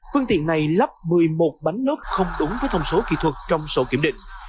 phương tiện này lắp một mươi một bánh nốt không đúng với thông số kỹ thuật trong sổ kiểm định